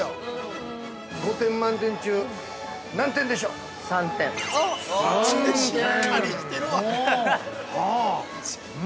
◆５点満点中、何点でしょう。